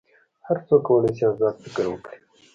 هر څوک کولی شي آزاد فکر وکړي.